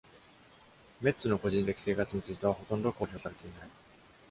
Metz の個人的生活についてはほとんど公表されていない。